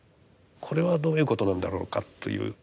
これはどういうことなんだろうかという。